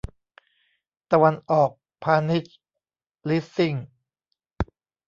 ตะวันออกพาณิชย์ลีสซิ่ง